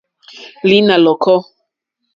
Lǐnà lɔ̀kɔ́.